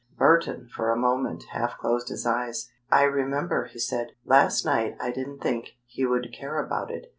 Burton, for a moment, half closed his eyes. "I remember," he said. "Last night I didn't think he would care about it.